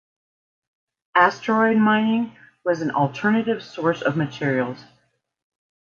Asteroid mining was an alternative source of materials.